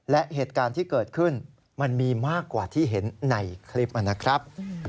และเหตุการณ์ที่เกิดขึ้นมันมีมากกว่าที่เห็นในคลิปนะครับ